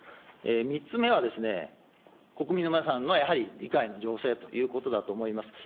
３つ目はですね、国民の皆さんのやはり理解の醸成ということだと思います。